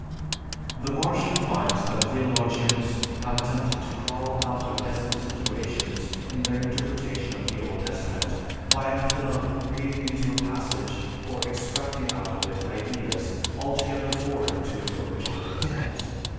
The Martian finds that theologians have attempted to crawl out of desperate situations in their interpretation of the Old Testament by a method of reading into a passage or extracting out of it ideas altogether foreign to its original intent.